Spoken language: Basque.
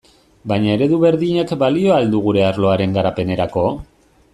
Baina eredu berdinak balio al du gure arloaren garapenerako?